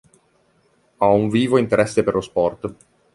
Ha un vivo interesse per lo sport.